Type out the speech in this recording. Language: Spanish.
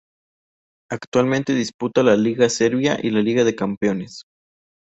Actualmente disputa la Liga Serbia y la Liga de Campeones.